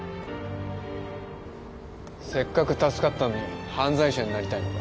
せっかく助かったのに犯罪者になりたいのか